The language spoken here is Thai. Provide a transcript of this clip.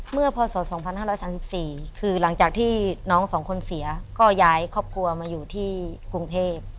พศ๒๕๓๔คือหลังจากที่น้องสองคนเสียก็ย้ายครอบครัวมาอยู่ที่กรุงเทพ